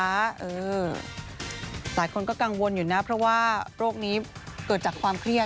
หลายคนก็กังวลอยู่นะเพราะว่าโรคนี้เกิดจากความเครียด